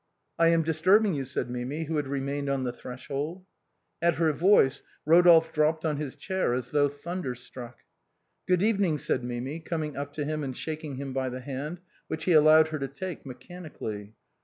" I am disturbing you," said Mimi, who had remained on the threshold. At her voice Eodolphe dropped on his chair as though thunderstruck. " Good evening," said Mimi, coming up to him and shaking him by the hand which he allowed her to take mechanically.